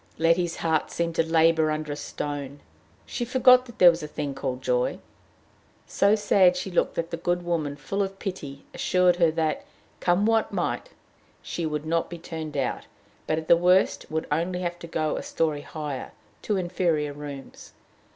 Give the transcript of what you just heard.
Letty's heart seemed to labor under a stone. She forgot that there was a thing called joy. So sad she looked that the good woman, full of pity, assured her that, come what might, she should not be turned out, but at the worst would only have to go a story higher, to inferior rooms.